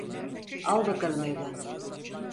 Al bakalım evlat.